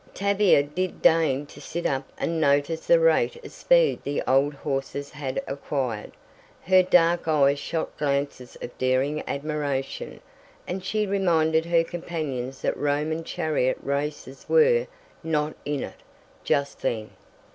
Tavia did deign to sit up and notice the rate of speed the old horses had acquired. Her dark eyes shot glances of daring admiration, and she reminded her companions that Roman chariot races were "not in it," just then.